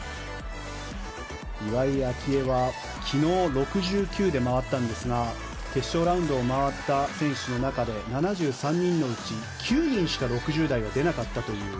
岩井明愛は昨日、６９で回ったんですが決勝ラウンドを回った選手の中で７３人のうち９人しか６０台は出なかったという。